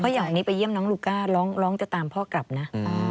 อย่างนี้ไปเยี่ยมน้องลูก้าร้องจะตามพ่อกลับนะ